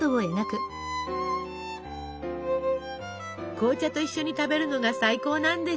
紅茶と一緒に食べるのが最高なんですって。